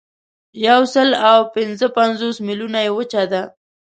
یوسلاوپینځهپنځوس میلیونه یې وچه ده.